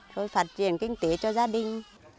rồi phát triển kinh tế cho gia đình